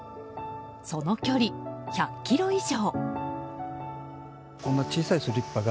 その距離、１００ｋｍ以上。